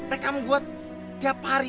rekam gue tiap hari